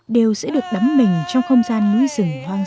đều sẽ được đắm mình trong không gian núi rừng hoang dã